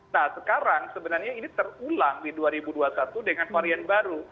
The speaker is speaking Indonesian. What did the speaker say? nah sekarang sebenarnya ini terulang di dua ribu dua puluh satu dengan varian baru